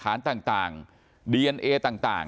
การสืบสวนสอบสวนการตรวจสอบเทียบเคียงพยานหลักฐานต่าง